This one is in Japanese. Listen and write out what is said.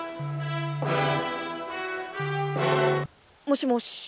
もしもし。